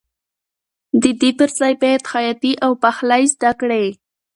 د دې پر ځای باید خیاطي او پخلی زده کړې.